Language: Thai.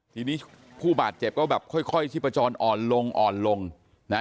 ทีนี้ผู้บาดเจ็บก็แบบค่อยชีพจรอ่อนลงอ่อนลงนะฮะ